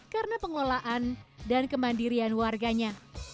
karena pengelolaan dan kemandirian warganya